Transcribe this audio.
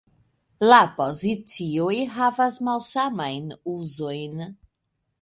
La pozicioj havas malsamajn uzojn.